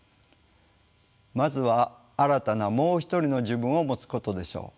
まずは新たな「もう一人の自分」をもつことでしょう。